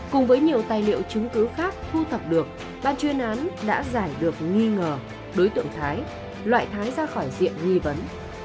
cùng với nhiều tài liệu chứng cứ khác thu thập được ban chuyên án đã giải được nghi ngờ đối tượng thái loại thái ra khỏi diện nghi vấn